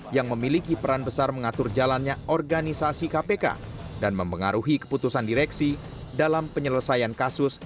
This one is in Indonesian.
yang memiliki peran besar mengatur jalannya organisasi kpk dan mempengaruhi keputusan direksi dalam penyelesaian kasus